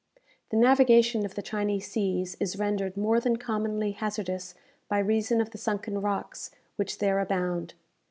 The navigation of the Chinese seas is rendered more than commonly hazardous by reason of the sunken rocks which there abound.